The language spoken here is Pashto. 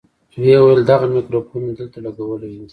ويې ويل دغه ميکروفون مې دلته لګولى و.